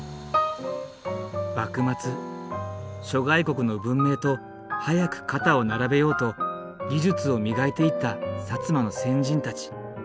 幕末諸外国の文明と早く肩を並べようと技術を磨いていった摩の先人たち。